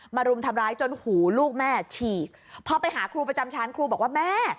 รุมทำร้ายจนหูลูกแม่ฉีกพอไปหาครูประจำชั้นครูบอกว่าแม่